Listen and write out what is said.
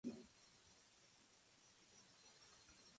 La mayoría son de granito y dos ellos son de pizarra.